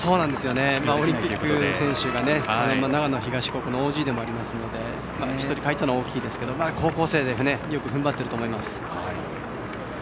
オリンピックの選手が長野東高校のＯＧでもあるので１人欠いたのは大きいですが高校生でよく踏ん張っていると思います。